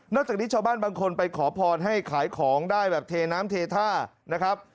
จากนี้ชาวบ้านบางคนไปขอพรให้ขายของได้แบบเทน้ำเทท่านะครับ